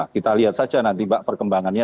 kita lihat saja nanti pak perkembangannya